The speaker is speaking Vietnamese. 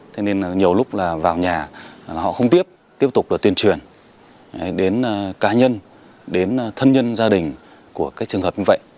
thế nên nhiều lúc là vào nhà họ không tiếp tục được tuyên truyền đến cá nhân đến thân nhân gia đình của cái trường hợp như vậy